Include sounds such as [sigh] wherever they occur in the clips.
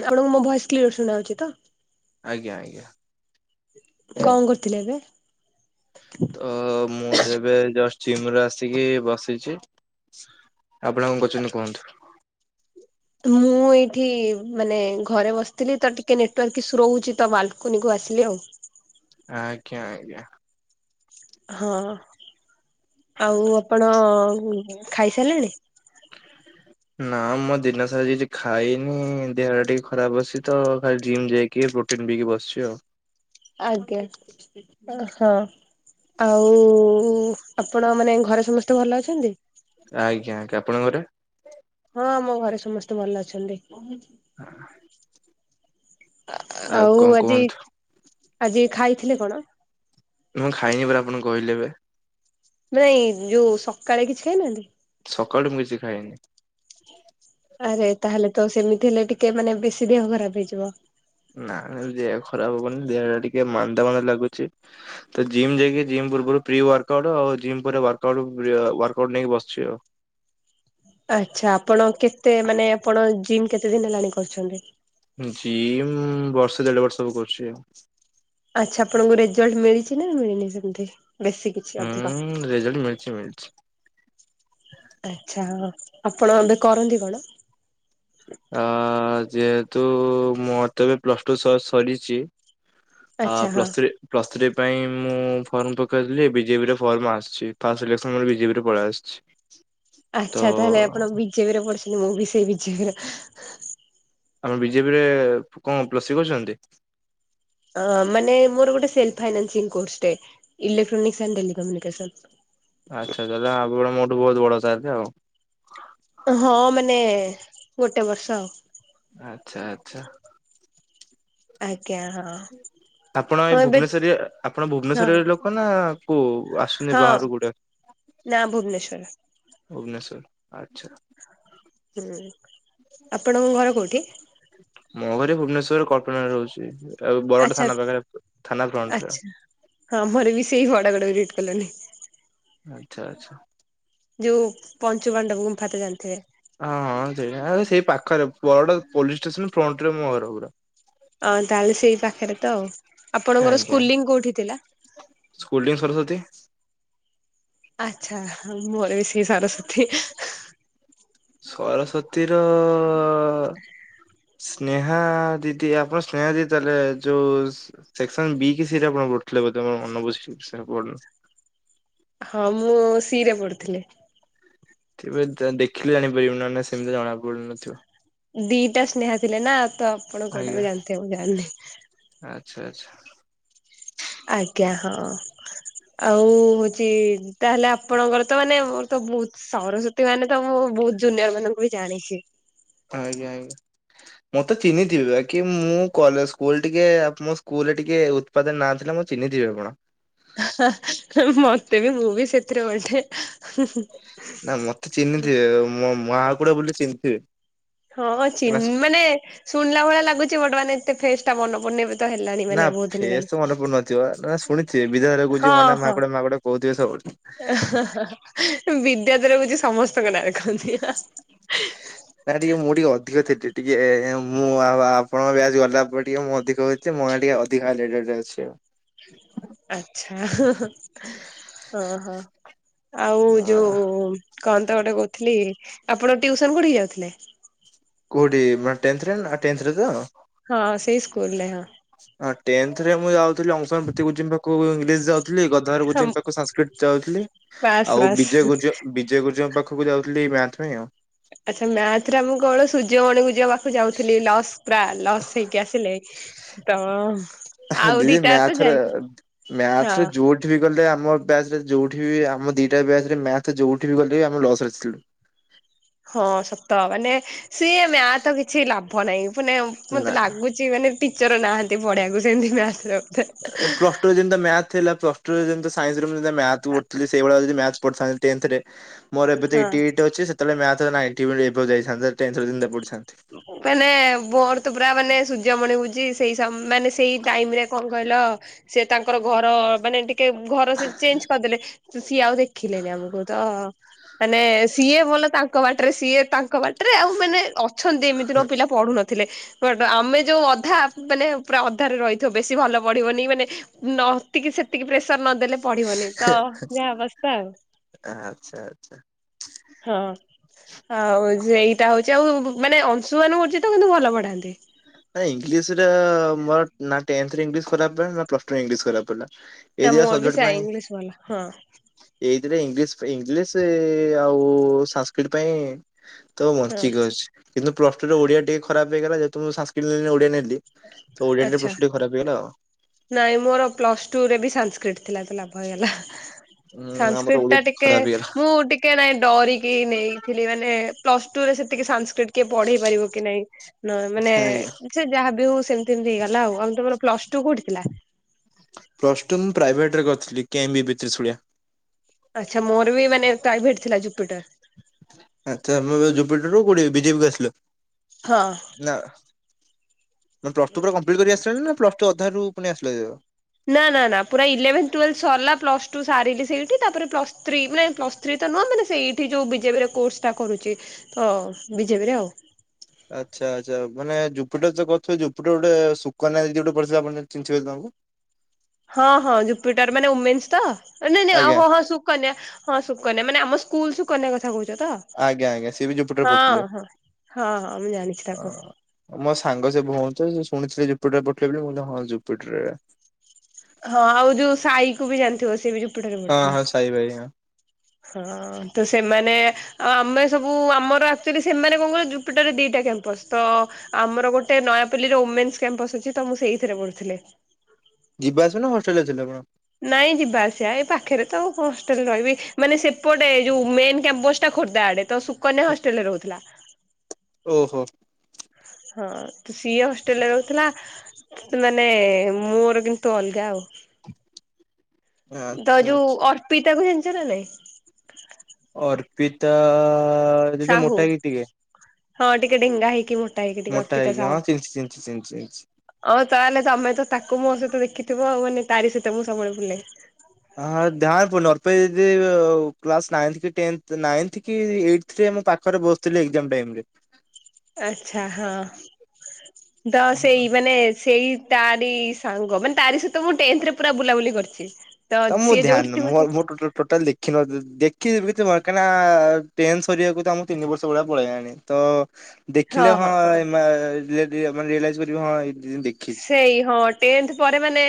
ଆପଣଙ୍କୁ ମୋ voice clear ଶୁଣାଉଚି ତ? ଆଜ୍ଞା ଆଜ୍ଞା। କଣ କରିଥିଲି ଏବେ? ତ ମୁଁ ତ ଏବେ ଜଷ୍ଟ ଚିମ୍ ରୁ ଆସିକି ବସିଚି ଆପଣ କଣ କରୁଚନ୍ତି କୁହନ୍ତୁ? ମୁଁ ଏଇଠି ମାନେ ଘରେ ବସିଥିଲି ତ ଟିକେ ନେଟୱାର୍କ ଇସୁ ରଉଚି ତ ବାଲକୁନି କୁ ଆ ଆସିଲି ଆଉ। ଆଜ୍ଞା ଆଜ୍ଞା। ହଁ ଆଉ ଆପଣ ଖାଇସାରିଲେଣି। ନା ମୁଁ ଦିନ ସାରା କିଛି ଖାଇନି, ଦେହ ଟା ଟିକେ ଖରାପ ଅଛି ତ ଖାଲି ଜିମ୍ ଯାଇକି। କିଏ ପ୍ରୋଟିନ୍ ପିଇକି ବସିଛି ଆଉ ଆଜ୍ଞା ହଁ ଆଉ। ଆପଣ ମାନେ ଘରେ ସମସ୍ତେ ଭଲ ଅଛନ୍ତି। ଆଜ୍ଞା ଆଜ୍ଞା ଆପଣଙ୍କର ହଁ ଆମ ଘରେ ସମସ୍ତେ ଭଲ ଅଛନ୍ତି। [inaudible] ଆଉ କଣ ଆଜି କୁହନ୍ତୁ? ଆଜି ଖାଇଥିଲେ କଣ? ମୁଁ ଖାଇନି ପରା ଆପଣଙ୍କୁ କହିଲେ ଏବେ। ମ ନାଇ ଯୋଉ ସକାଳେ କିଛି ଖାଇନାହାନ୍ତି। ସକାଳୁ ମୁଁ କିଛି ଖାଇନି। ଆରେ ତାହେଲେ ତ ସେମିତି ହେଲେ ଟିକେ ମାନେ ବେଶୀ ଦେହ ଖରାପ ହେଇଯିବ। ନା ଯି ଖରାପ ହବନି ଦେହଟା ଟିକେ ମାନ୍ଦା ମନ୍ଦ ଲାଗୁଛି ତ ଜିମ୍ ଯାଇକି ଜିମ୍ ପୂର୍ବରୁ ପ୍ରି ୱାର୍କଉଟ ଆଉ ଜମ୍ ପ ୱାର୍କାଉଟ ୱାର୍କାଉଟ ନେଇ ବସଛି ଆଉ ଆଛା ଆପଣ କେତେ ମାନେ ଆପଣ ଜିମ୍ କେତେ ଦିନ ହେଲାଣି କରୁଛନ୍ତି। ଜିମ୍ ବର୍ଷ ଦେଢ ବର୍ଷବ କରୁଛି ଆଉ ଆଛା ଆପଣଙ୍କୁ ରେଜଲ୍ଟ ମିଳିଛି ନା ମିଳିନି ସେମତି। ବେଶୀ କିଛି ଅଧିକ ହୁଁ ରେଜଲ୍ଟ ମିଳିଛି ମିଳିଛି ଆଛା ଆପଣ ଏବେ କରନ୍ତି କଣ? ତୁ ମୋତେ ଏବେ ପ୍ଲସ୍ ଟୁ ସରିଛି, ଆ ଆଚ୍ଛା ହଁ ପ୍ଲସ୍ ଥ୍ରୀ ପ୍ଲସ୍ ଥ୍ରୀ ପାଇଁ ମୁଁ ଫର୍ମ ପକାଇଥିଲି ବିଜେପିରେ ଫର୍ମ ଆସିଛି, ଫାଷ୍ଟ ଇଲେକ୍ସନ ମ ବିଜେପିରେ ପଳେଇ ଆସିଛି ତ ଆଚ୍ଛା ତାହେଲେ ଆପଣ ବିଜେପିରେ ପଡିୁଛନ୍ତି ମୁଁ ବି ସେଇ ବିଜେପିରେ। ଆମେ ବିଜେପିରେ କଣ ପ୍ଲସ୍ ଥ୍ରୀ କରଛନ୍ତି? ମାନେ ମୋର ଗୋଟେ ସେଲ୍ଫ୍ ଫାଇନାନ୍ସିଂ କୋର୍ସଟେ, ଇଲେକ୍ଟ୍ରୋନିକ୍ ଆଣ୍ଡ ଟେଲିକମ୍ୟୁନିକେଶନ। ଆଚ୍ଛାବ ମୋଠୁ ବହୁତ ବଡ ସାର୍ ଆଉ। ହଁ ମାନେ ଗୋଟେ ବର୍ଷ ଆଉ। ଆଛା ଆଚ୍ଛା। ଆଜ୍ଞା ହଁ। ଆପଣ ଏଇ ହଁ ଏବେ ଭୁବନେଶ୍ୱରୀ ଆପଣ ଭୁବନେଶ୍ଵରୀ ହଁ ଲୋକ ନା କୋଉ ଆସୁଛନ୍ତି ହଁ ବାହକୁ ଗୋଟେ ନା ଭୁବନେଶ୍ଵର। ଭୁବନେଶ୍ଵର ଆଚ୍ଛା। ହୁଁ ଆପଣଙ୍କ ଘର କୋଉଠି? ମୋ ଘରେ ଭୁବନେଶ୍ୱର କଳ୍ପନାରେ ରହୁଛି। ଆଉ ବରଟ ଆଚ୍ଛା ଥାନା ପାଖରେ ଥାନା ଫ୍ରଣ୍ଟରେ। ହଁ ମୋର ବି ସେଇ [unintelligible] ହୁଡ ଗଡେଟ [unintelligible] କଲୋନୀ। ଆଚ୍ଛା ଆଚ୍ଛା। ଯୋଉ ପଞ୍ଚୁବାଣ୍ଡବ ଗୁମ୍ଫାା ତ ଜାଣିଥିବେ। ହଁ ହଁ ସେଇ ସେଇ ପାଖରେ ବଡ ପୋଲିସ ଷ୍ଟେସନ। ଫ୍ରଣ୍ଟ ରେ ମୋ ଘର ପୁରା। ହଁ ତାହେଲେ ସେଇ ପାଖରେ ତ ଆ ଆପଣଙ୍କର ଆଜ୍ଞା ସ୍କୁଲିଂ କୋଉଠି ଥିଲା? [unintelligible] ଆଛା ମୋର ବି ସେ ସରସ୍ଵତୀ ସରସ୍ଵତୀ ର ସ୍ନେହା ଦିଦି ଆପଣ ସ୍ନେହା ଦିଦି ତାହେଲେ ଯୋଉ ସେକ୍ସନ ବି କି ସିରେ [unintelligible] ଠଥିଲେ ବଧେମର ମନ ବୁଝ ସେ ପ [inaudible] ହଁ ମୁଁ ସିରେ ପଢୁଥିଲି। ତେବେ ଦେଖିଲେ ଜାଣିପାରିବୁ ନା ନା ସେମିତି ଜଣା ପଡୁନଥିବ। ଦିଟା ସ୍ନେହା ଥିଲେ ନା ତ ଆପଣ କୋଉଟା ଆଜ୍ଞା ବି ଜାଣିଥିବ ମୁ ଜାଣିନି। ଆଚ୍ଛା ଆଛା। ଆଜ୍ଞା ହଁ। ଆଉ ହଉଛି ତାହେଲେ ଆପଣଙ୍କର ତ ମାନେ ମୋର ତ ବହୁତ ସରସ୍ଵତୀ ମାନେ ତ ମୁଁ ବହୁତ ଜୁନିୟର ମାନଙ୍କୁ ବି ଜାଣିଛି। ଆଜ୍ଞା ଆଜ୍ଞା। ମୁଁ ତ ଚିହ୍ନିଥିବି ବାକି ମୁଁ କଲେ ସ୍କୁଲ ଟିକେ ମୋ ସ୍କୁଲରେ ଟିକେ ଉତ୍ପାଦନ ନାଏ ମୁଁ ଚିହ୍ନିଥିବ ଆପଣ ହା ହୁଁ ମତେ ବି ମୁଁ ବି ସେଥିରେ ଗଟେ। ନା ମତେ ଚିହ୍ନିଥିବେ ମୋ ମାହାକୁଡା ବୋଲି ଚିହ୍ନି ଥିବେ। ହଁ ଚିହ୍ନ ମାନେ ଶୁଣିଲା ଭଳିଆ ଲାଗୁଛି ବର୍ତ୍ତମାନ ଏତେ ଫେଷ୍ଟ ସେଟା ମନପଡୁନି ଏବେତ ହେଲାଣି ନା ମାନେ ବହୁତ ଦିନ ଫେସ୍ ତ ମନେ ହେଲାଣି। ପଡୁନଥିବ ନା ଶୁଣିଥିବେ ବିଦ୍ୟାଳୟ କୁ ହଁ ଯିବୁ ମାନେ ହଁ ମହାକୁଡା ମହାକୁଡା କହୁଥିବେ ସବୁବେଳେ। ଏଁ ହେଁ ହେଁ ବି ଇଆ ଦେହରେ ରହୁଛି ସମସ୍ତଙ୍କ ନାଁରେ ନା ଟିକେ ମୁଁ ଟିକେ ଅଧିକ ଥିଲି। ଟିକେ ମୁଁ ଆପଣଙ୍କ ବ୍ୟାଜ ଗଲା ପରେ ଟିକେ ମୁଁ ଅଧିକ ହେଛି ମନା ଟିକେ ଅଧିକ ହାଇଲାଇଟ ଯା ଯା ଯାଇଚି ହ [unintelligible] ଆଛା ହଁ ହଁ ଅହ ଆଉ ଆ ଯୋଉ କହ ତ ଗୋଟେ କହୁଥିଲି ଆପଣ ଟିଉସନ୍ କୋଉଠିକି ଯାଉଥିଲେ? କୋଉଠି ମାନେ ଟେନ୍ଥରେ ନା ଟେନ୍ଥରେ ତ। ହଁ ସେଇ ସ୍କୁଲ ରେ ହଁ। ହଁ ଟେନ୍ଥରେମୁଁ ଯାଉଥିଲି ଅଂଶନପ୍ରତି ଗୁରୁଜୀ ପାଖକୁ ଇଂଲିସ୍ ଯାଉଥିଲି ଗଦାଧର ହଁ ଗୁରୁଜୀ ପାଖକୁ ସଂସ୍କୃତ ଯାଉଥିଲି ବାସ୍ ଆଉ ବାସ୍ ବିଜୟ ଗୁରୁଜ ବିଜୟ ଗୁରୁଜାଙ୍କ ପାଖକୁ ଯାଉଥିଲି ଏଇ ମ୍ୟାଥ ପାଇଁ ଆଉ। ଆଚ୍ଛା ମ୍ୟାଥରେ ମୁଁ କଣ ସୂର୍ଯ୍ୟମଣି ଗୁରୁଜୀ ପାଖକୁ ଯାଉଥିଲି ଲସ୍ ପୁରା ଲସ୍ ହେଇକି ଆସିଲେ ତ ଆଉ ଦିଦି ଦିଟା ତ ମ୍ୟାଥରେ ଯାଇଥିଲି। ହଁ ମ୍ୟାଥରେ ଜୋଠି ବିଗଲେ ଆମ ବ୍ୟାଚରେ ଯୋଉଠି ବି ଆମ ଦିଟା ବ୍ୟାଚରେ ମ୍ୟାଥ ଯୋଉଠି ବି ଗଲେ ବି ଆମେ ଲାସ୍ ରେଥିଲୁ। ହଁ ସତ ମାନେ ସିଏ ମ୍ୟାଥ କିଛି ଲାଭ ନାହିଁ ମାନେ ନା ମତେ ଲାଗୁଛି ମାନେ ଟିଚର ନାହାନ୍ତି ପଢିବାକୁ ସେମତି ମ୍ୟାଥ ଏ ପ୍ଲସ ଟୁରେ ଯେମିତିଆ ମ୍ୟାଥ ଥିଲା ପ୍ଲସ ଟୁ ରେ ଯେମିତି ସାଇନ୍ସରେ ଯେମିତିଅ ମ୍ୟାଥ ପଢ଼ୁଥିଲି ସେଇଭଳିଆ ଯଦି ମ୍ୟାଥ ପାଢ଼ୀ ଥାଆନ୍ତି ଟେନ୍ଥରେ। ମୋର ଏବେତ ହଁ ଏଇଟିଏଇଟଆଛି ସେତେବେଳେ ମ୍ୟାଥ ନାଇଁଟିଅବଭ୍ ଯାଇଥାନ୍ତା ଟେନ୍ଥରେ ଯେମିତିଆ ଏପଟେ ସେପଟେ ମାନେ ମୋର ତ ପୁରା ମାନେ ସୂର୍ଯ୍ୟମଣି ଗୁରୁଜୀ ସେଇ ମାନେ ସେଇ ଟାଇମ ରେ କଣ କହିଲ ସେ ତାଙ୍କର ଘର ମାନେ ଟିକେ ଘର ସେ ଚେଞ୍ଜ କରିଦେଲେ ସିଏ ଆଉ ଦେଖିଲେନି ଆମକୁ ତ ମାନେ ସିଏ ବୋଲ ତାଙ୍କ ବାଟରେ ସିଏ ତାଙ୍କ ବାଟରେ ଆଉ ମାନେ ଅଛନ୍ତି ଏମିତିରେ ପିଲା ପଢୁ ନଥିଲେ ବଟ ଆମେ ଯୋଉ ଅଧା ମାନେ ପୁରା ରେ ରହିଥିବ ବେଶୀ ଭଲ ପଢିବନି ମାନେ ନତିକି ସେତିକି ପ୍ରେସର ନ ଦେଲେ ପଢିବନି ତ ଯାହା ଅବସ୍ଥା ଆଉ। ଆଚ୍ଛା ଆଚ୍ଛା। ହଁ ଆଉ ସେ ଏଇଟା ହଉଛି ଆଉ ମାନେ ଅଂଶୁମାନ ଗୁରୁଜୀ ତ କିନ୍ତୁ ଭଲ ପଢାନ୍ତି। ଇଂଲିଶରେ ମୋର ନା ଟେନ୍ଥ ରେ ଇଂଲିଶ ଖରାପ ହେଲା ନା ପ୍ଲସ ଟୁ ରେ ଇଂଲିଶ ଖରାପ ହେଲା। ଏଇ ନା ଦିଟା ମୋରବି ସବଜେକ୍ଟ ସେ ଇଂଲିଶ ଭଲ ହଁ। ରେ ଇଂଲିଶ ଇଂଲିଶ ଆଉ ସଂସ୍କ୍ରିଟ ତ ପାଇଁ ତ ହଁ ବଞ୍ଚି ଅଛି, କିନ୍ତୁ ପ୍ଲସ୍ ଟୁ ର ଓଡିଆ ଟିକେ ଖରାପ ହେଇଗଲା, ଯେୁ ମୁଁ ସା ଓଡିଆ ନେଇ। ତ ଆଚ୍ଛା ପ୍ରଶ୍ନ ଖରାପ ହେଇଗଲା। ନାଇଁ! ମୋର ପ୍ଲସ ଟୁ ରେ ବି ସଂସ୍କ୍ରିଟ ଥିଲା ତ ଲାଭ ହେଇଗଲା। ହୁଁ ଆମର ସଂସ୍କ୍ରିଟ ଓଡିଆ ଟା ଟିକେ, ଖରାପ ହେଇଗଲା ମୁଁ ଟିକେ ନାଇଁ ଡରିକି ନେଇଥିଲି, ମାନେ। ପ୍ଲସ ଟୁରେ ସେତିକି ସଂସ୍। ଟିକେ ପଢେଇ ପାରିବ କି ନାଇଁ, ନ ମାନେ ଆଜ୍ଞା ସେ ଯାହା ବି ହଉ, ସେମିତି ଏମିତି ହେଇଗଲା, ଆଉ ଆମ ତାନେ ପ୍ଲସ ଟୁ କୋଉଠି। ଥିଲା? ପ୍ଲସ ଟୁ ମୁଁ ପ୍ରାଇଭେଟରେ କରିଥିଲି, କେମ୍ବିବିତ୍ରିଶୂଳିଆ। ଆଚ୍ଛା ମୋର ବି ମାନେ ପ୍ରାଇଭେଟ ଥିଲା ଜୁପିଟର। ଆ ତ ଆମ ଜୁପିଟରରୁୁ କୋଉଠି ବିଜେପିକୁ ଆସିଲୁ? ହଁ। ନା। ତମେ ପ୍ଲସ୍ ଟୁ ପୁରା କମ୍ପ୍ଲିଟ୍ କରି ଆସିଛ ନା, ପ୍ଲସ୍ ଟୁ ଅଧାରୁୁ ପୁଣି ଆସିଲହେରି ପା ନା-ନା-ନା ପୁରା ଇଲେଭେନ୍ ଟୁଏଲଭ୍ ସରିଲା ପ୍ଲସ୍ ଟୁ ସାରିଲି ସେଇଠି ତାପରେ ପ୍ଲସ୍ ଥ୍ରୀ ମାନେ ପ୍ଲସ୍ ଥ୍ରୀ ତ ନୁହଁ ମାନେ ସେଇଠି ଯୋଉ ବିଜେପିରେ କୋର୍ସଟା କରୁଛି ତ ବିଜେପିରେ ଆଉ। ଆଚ୍ଛା ଆଚ୍ଛା ମାନେ ଜୁପିଟର୍ ତ କରୁଥିବେ, ଜୁପିଟର୍ ଗୋଟେ ସୁୁକନ୍ୟା ଦିଦି ଗୋଟେ ପଢ଼ୁଥିଲେ ଆପଣ ଜା ଚିହ୍ନିଥିଲେ ତାଙ୍କୁ? ହଁ-ହଁ ଜୁପିଟର୍ ମାନେ ଓମେନ୍ସ ତ? ନାଇଁ ନାଇଁ ହୋ ଆଜ୍ଞା ହଁ-ହଁ ସୁକନ୍ୟା ହଁ ସୁକନ୍ୟା ମ୍ୟା ମାନେ ଆମ ସ୍କୁଲ୍ ସୁକନ୍ୟା କଥା କହୁ ଆଜ୍ଞା-ଆଜ୍ଞା ସିଏ ବି ଜୁପିଟରରେ ପଢୁଥିଲେ। ହଁ। ହଁ ହଁ ମୁଁ ଜାଣିଛି ତାକୁ ଅଁ-ଅ ମୋ ସାଙ୍ଗ, ସେ ଭଉଣୀ ତ ସେ ଶୁଣି ସେ ଜୁପିଟରରେ ପଢୁଥିଲେ ବୋଲି, ମୁଁ କହିଲି ହଁ ଜୁପିଟରରେ। ହଁ, ଆଉ ଯୋଉ ସାଇକୁ ବି ଜାଣିଥିବ, ସେ ବି ଜୁପିଟରରେ ହଁ ହଁ ପଢୁଥିଲା। ସାଇ ଭାଇ ହଁ ହଁଅ-ଅ ତ ସେମାନେ ଆଉ ଆମେ ସବୁ ଆମର ଆକ୍ଚୁଆଲି ସେମାନେ କଣ କହିଲ ଜୁପିଟରରେ ଦିଟା କ୍ୟାମ୍ପସ୍ ତ ଆମର ଗୋଟେ ନୟାପଲ୍ଲୀରେ ଓମେନ୍ସ କ୍ୟାମ୍ପସ ଅଛି, ତ ମୁଁ ସେଇଥିରେ ପଢୁଥିଲି। ଯିବା ଆସିବା ନା ହଷ୍ଟେଲରେ ଥିଲେ ଆପଣ? ନାଇଁ ଯିବା ଆସିବା, ଏଇ ପାଖରେ ତ ଆଉ ହଷ୍ଟେଲରେ ରହିବି, ମାନେ ସେପଟେ ଯୋଉ ମେନ୍ କ୍ୟାମ୍ପସଟା ଖୋର୍ଦ୍ଧା ଆଡେ ତ ସୁକନ୍ୟା ହଷ୍ଟେଲରେ ରହୁଥିଲା। ଓହୋଃ। ହଁ, ତ ସିଏ ହଷ୍ଟେଲରେ ରହୁଥିଲା। ମାନେ ମୋର କିନ୍ତୁ ଅଲଗା ଆଉ। ତ ଆଚ୍ଛା ଯୋଉ ଆଚ୍ଛା। ଅର୍ପିତାକୁ ଜାଣିଛ ନା ନାଇଁ? ଅର୍ପିତାଆ-ଆ-ଆ ଦିଦି ସାହୁ ମୋଟା ହେଇକି ଟିକେ? ହଁ ଟିକେ ଡେଙ୍ଗା ହେଇକି, ମୋଟା ହେଇକି ଟିକେ, ମୋଟା ଅର୍ପିତା ହେଇକି ସାହୁ। ହଁ ଚିହ୍ନିଚି ଚିହ୍ନିଚି ଚିହ୍ନିଚି ଚିହ୍ନିଚି। ଅ ତାହେଲେ ତମେ ତ ତାକୁ ମୋ ସହିତ ଦେଖିଥିବ ଆଉ, ମାନେ ତାରି ସହିତ ମୁଁ ସବୁବେଳେ ବୁଲେ। ହଁ ଧ୍ୟାନ୍ ପୁନର୍ [inaudible] ଦିଦି କ୍ଲାସ ନାଇନଥ୍ କି ଟେନଥ୍, ନାଇନଥ୍ କି ଏଇଟଥ୍ ରେ ମୋ ପାଖରେ ବସୁଥିଲେ ଏକ୍ଜାମ୍ ଟାଇମ୍ [inaudible] ଆଛା ହଁ, ତ ସେଇ ମାନେ ସେଇ ତାରି ସାଙ୍ଗ, ମାନେ ତାରି ସହିତ ମୁଁ ଟେନଥ୍ ରେ ପୁରା ବୁଲାବୁଲି କରିଛି। ତ ମୁଁ ସିଏ ଧ୍ୟାନ୍ ଯୋଉଠି ଥିବ ମୁଁ ଟୋଟାଲ୍ ଟୋଟାଲ ଦେଖିନଥିଲି, ଦେଖ୍ କି କେମିତି ମ କାଇଁ ନା ଟେନ୍ ସରିବାକୁ ତ ଆମକୁ ତିନି ବର୍ଷ ଭଳିଆ ପଳେଇଲାଣି ତ ଦେଖିଲେ ହଁ ଏ ମା ରିୟ ରିୟ ମାନେ ରିୟଲାଇଜ୍ କରିବି ଏ ହଁ ଦେଖିଛି ସେଇ ହଁ, ଟେନଥ୍ ପରେ ମାନେ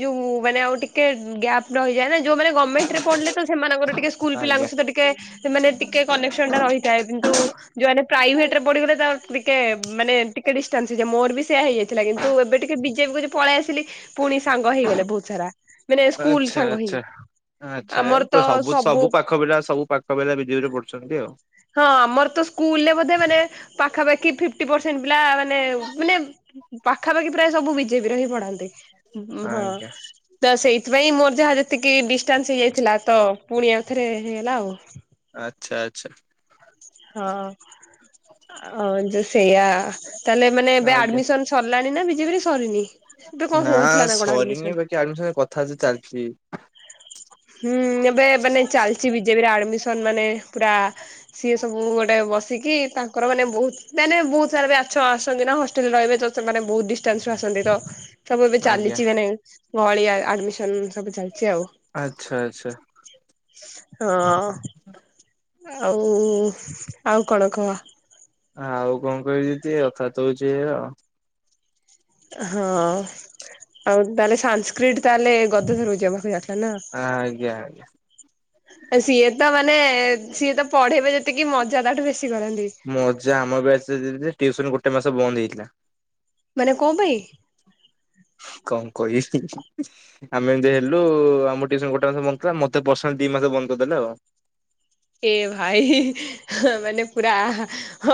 ଯୋଉ ମାନେ ଆଉ ଟିକେ ଗ୍ୟାପ୍ ରହିଯାଏ ନା ଯୋଉମାନେ ଗମେଣ୍ଟରେ ପଢିଲେ ତ ସେମାନଙ୍କର ଟିକେ ସ୍କୁଲ ପିଲାଙ୍କ ଆଜ୍ଞା। ସହିତ ଟିକେ ସେମାନେ ଟିକେ କନେକ୍ସନଟା ରହିଥାଏ କିନ୍ତୁ ନ୍ତୁ ଯୋଉମାନେେ ପ୍ରାଇଭେଟରେ ପଡିିଗଲେ, ତା ଟିକେ ମାନେ ଟିକେ ଡିଷ୍ଟାନ୍ସ ହେଇଯାଏ ମୋର ବି ସେଇଆ ହେଇଯାଇଥିଲା କିନ୍ ତ ଏବେ ଟିକେ ବିଜେପିକୁ ଯୋଉ ପଳେଇ ଆସିଲି ପୁଣି ସାଙ୍ଗ ହେଇଗଲେ ବହୁତ ସାରା। ମାନେ ସ୍କୁଲ ଆଚ୍ଛା ସାଙ୍ଗ ହିଁ। ଆଚ୍ଛା ଆଚ୍ଛା, ତ ସବୁ ସବୁ ପାଖ ପିଲା, ସବୁ ପାଖ ପିଲା, ବିଜେପରେ ପଡୁଛନ୍ତି ଆଉ। ହଁ, ଆମର ତ ସ୍କୁଲରେ ବୋଧେ ମାନେ ପାଖାପାଖି ଫିପ୍ଟି ପରସେଣ୍ଟ୍ ପିଲା ମାନେ ମାନେ ପାଖାପାଖି ପ୍ରାୟ ସବୁ ବିଜେପିରେ ହିଁ ପଢନ୍ତି। ହଁ, ଆଜ୍ଞା ତ ସେଇ। ସେଥିପାଇଁ ମୋର ଯାହା ଯେତିକି ଡିଷ୍ଟାନ୍ସ ହେଇଯାଇଥିଲା ତ ପୁଣି ଆଉଥରେ ହେଇଗଲା ଆଉ। ଆଚ୍ଛା, ଆଚ୍ଛା। ହଁ ଆଉ ଯୋଉ ସେଇଆ ତାହେଲେ ଏମାନେ ଏବେ ଆଜ୍ଞା। ଆଡମିସନ ସରିଲାଣି? ଏଇନା ବିଜେପି ରେ ସରିନି। ଏବେ କଣ ନା ହଉଥିଲା କଣ ଆଡମିସନ? ସରିନି ବାକି ଆଡମିସନ କଥାବାର୍ତ୍ତା ଚାଲିଛି। ହୁଁ ଏବେ ଏବେ ନେଇ ଚାଲିଛି ବିଜେପିର ଆଡମିସନ ମାନେ ପୁରା ସିଏ ସବୁ ଗୋଟେ ବସିକି ତାଙ୍କର ମାନେ ବହୁତ ମାନେ ବହୁତ ସାରା ବ [inaudible] ଆସଛନ୍ତି ନା ହଷ୍ଟେଲ ଓ ଏବେ ତ ସେମାନେ ବହୁତ ଡିଷ୍ଟାନ୍ସ ରୁ ଆସନ୍ତି ତ ସବୁ ଏବେ ଆଜ୍ଞା ଚାଲିଛିି ମାନେ ଗଳି ଆଡମିସନ ସବୁ ଚାଲିଛି ଆଉ। ଆଚ୍ଛା, ଆଚ୍ଛା। ହଁ। ଆଉ ଆଉ କଣ କହ? ଆଉ କଣ କହିବି ଦିଦି କଥାତ ହଉଛି ଏୟା। ହଁ ଆଉ ତାହେଲେ ସାସ୍କିଡ଼ ତାହେଲେ [inaudible] ନା ଆଜ୍ଞା ଆଜ୍ଞା। ଅ, ସିଏ ତ ମାନେ ସିଏ ତ ପଢେଇବେ ଯେତିକି ମଜା ତାଠୁ ବେଶୀ କରନ୍ତି। ମଜା ଆମ ବ୍ୟାଚରେ [unintelligible] ଟୁଇସନ ଗୋଟେ ମାସ ବନ୍ଦ ହେଇଥିଲା। ମାନେ କଣ ପାଇଁ? କଣ କହିବି, ଆମେ ଏମିତି ହେଲୁ ଆମ ଟିଉସନ ଗୋଟେ ମାସ ବନ୍ଦ ଥିଲା। ମୋତେ ପର୍ସନାଲ ଦି ମାସ ବନ୍ଦ ଦେଲେ ଆଉ। ଏ ଭାଇ ମାନେ ପୁରା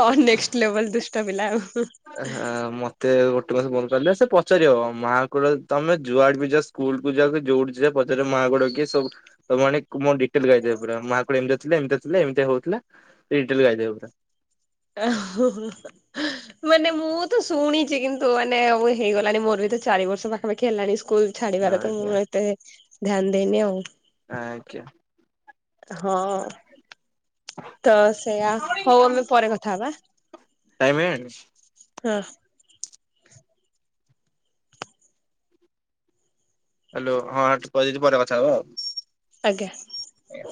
ଅନେକଷ୍ଟ ଲେବଲ୍ ଦୁଷ୍ଟ ପିଲା ଆଉ। ଏ ହେ ମୋତେ ଗୋ ପାରିଲେ ସେ ପଚାରିବ ମାଆ କ ତମେ ଯୁଆଡେ ବି ଯା ସ୍କୁଲ କୁ ଯା ଯୋଉଠି ଜା ପଚାରିବ ମା [unintelligible] କି ସବୁ। [unintelligible] [unintelligible] ପୁରା ମା ଏମତିଆ ଥିଲେ ଏମତିଆ ଏମତି ହଉଥିଲା ଏ ଟେଲ ଗାଇଦେବେ ପୁରା। ମାନେ ମୁଁ ତ ଶୁଣିଚି କିନ୍ତୁ ମାନେ ଓ, ହେଇଗଲାଣିି ମୋର ବି ଏ ତ ଚାରି ବର୍ଷ ପାଖାପାଖି ହେଲାଣି ସ୍କୁଲ୍ ଛାଡିବାର। ତ ମୁଁ ଆଜ୍ଞା ଏତେ ଧ୍ୟାନ ଦେଇନି ଆଉ। ଆଜ୍ଞା। ହଁ ତ ସେଇଆ ହଉ ଆମେ ପରେ କଥା ହବା। ଟାଇମ୍ ହେଇଗଲାଣି। ହଁ। ହ୍ୟାଲୋ ହଁ ଦିଦି ପରେ କଥା ହେଵା। ଆଜ୍ଞା। ଆଜ୍ଞା।